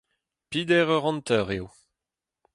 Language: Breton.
peder eur hanter eo